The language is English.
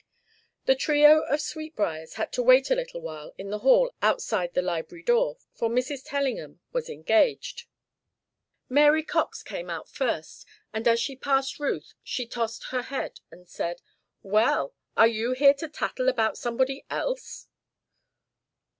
The trio of Sweetbriars had to wait a little while in the hall outside the library door, for Mrs. Tellingham was engaged. Mary Cox came out first and as she passed Ruth she tossed her head and said: "Well, are you here to tattle about somebody else?"